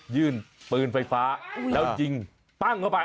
ื่นปืนไฟฟ้าแล้วยิงปั้งเข้าไป